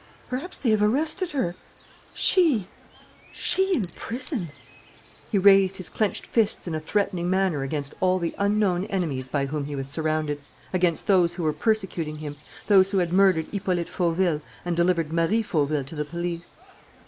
Perhaps they have arrested her? She, she in prison!" He raised his clenched fists in a threatening manner against all the unknown enemies by whom he was surrounded, against those who were persecuting him, those who had murdered Hippolyte Fauville and delivered Marie Fauville to the police.